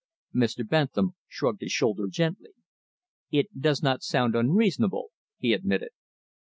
Mr. Bentham shrugged his shoulder gently. "It does not sound unreasonable," he admitted.